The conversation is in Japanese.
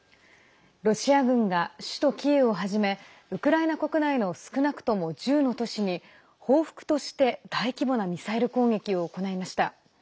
ロシア軍が首都キーウをはじめウクライナ国内の少なくとも１０の都市に報復として、大規模なミサイル攻撃を行いました。